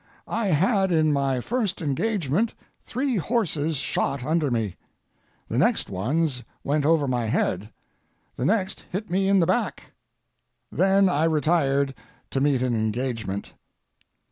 I had in my first engagement three horses shot under me. The next ones went over my head, the next hit me in the back. Then I retired to meet an engagement.